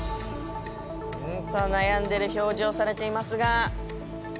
さあ悩んでる表情されていますが。